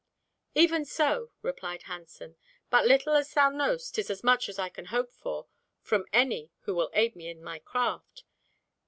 "Even so," replied Hansen, "but little as thou knowst 'tis as much as I can hope for from any who will aid me in my craft.